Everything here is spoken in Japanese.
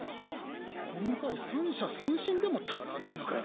この回三者三振でも足らねぇのか？